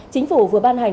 chính phủ vừa ban hành